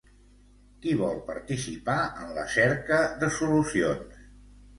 Qui vol participar en la cerca de solucions?